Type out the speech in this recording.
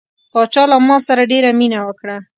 پاچا له ما سره ډیره مینه وکړه.